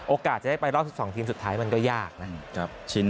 โอกาสจะได้ไปรอบ๑๒ทีมสุดท้ายมันก็ยากนะครับ